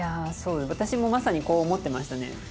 私もまさにこう思ってましたね。